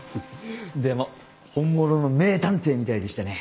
でも本物の名探偵みたいでしたね。